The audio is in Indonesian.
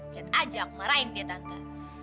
lihat aja aku marahin dia tante